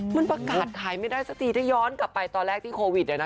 มันประกาศขายไม่ได้สักทีถ้าย้อนกลับไปตอนแรกที่โควิด